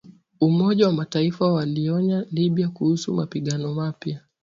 Umoja wa Mataifa waionya Libya kuhusu mapigano mapya